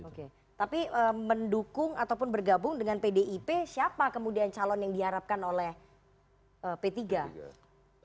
oke tapi mendukung ataupun bergabung dengan pdip siapa kemudian calon yang diharapkan oleh p tiga